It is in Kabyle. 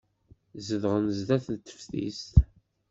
Zedɣen sdat teftist.